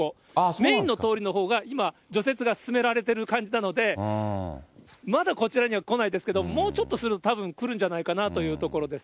メインの通りのほうが今、除雪が進められてる感じなので、まだこちらには来ないんですけど、もうちょっとすると、たぶん来るんじゃないかなというところです